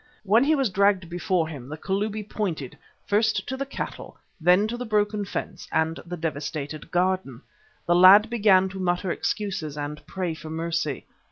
When he was dragged before him the Kalubi pointed, first to the cattle, then to the broken fence and the devastated garden. The lad began to mutter excuses and pray for mercy.